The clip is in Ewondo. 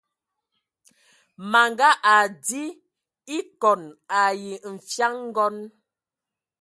Manga adi ekɔn ai nfian ngɔn.